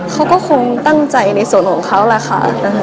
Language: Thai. เขาก็คงตั้งใจในส่วนของเขาแหละค่ะ